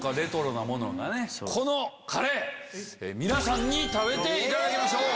このカレー皆さんに食べていただきましょう。